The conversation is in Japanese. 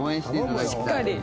しっかり。